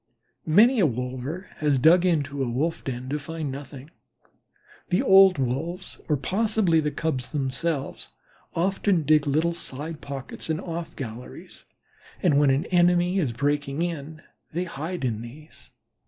Many a wolver has dug into a wolf den to find nothing. The old Wolves or possibly the Cubs themselves often dig little side pockets and off galleries, and when an enemy is breaking in they hide in these.